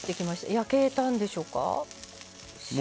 焼けたんでしょうか。